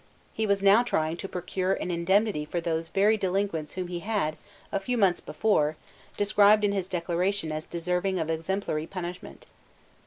He was now trying to procure an indemnity for those very delinquents whom he had, a few months before, described in his Declaration as deserving of exemplary punishment.